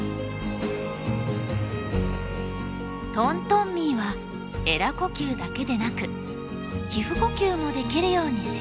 トントンミーはえら呼吸だけでなく皮膚呼吸もできるように進化。